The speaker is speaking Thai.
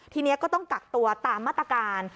ทีนี้ก็ต้องกักตัวตามมาตรการ